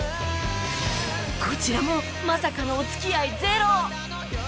こちらもまさかのお付き合いゼロ